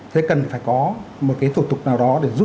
thế cần phải có một cái thủ tục nào đó để rút qua